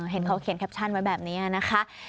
เห็นเขาเขียนแคปชั่นไว้แบบนี้นะคะ